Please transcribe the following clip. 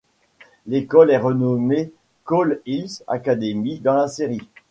L'école est renommée Coal Hill Academy dans la série.